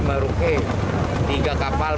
meruhe tiga kapal